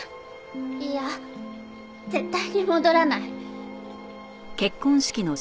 嫌絶対に戻らない。